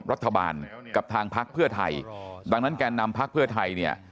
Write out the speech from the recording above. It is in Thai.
รัฐบาลกับทางพักเพื่อไทยดังนั้นแกนนำพักเพื่อไทยเนี่ย